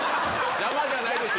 邪魔じゃないですよ。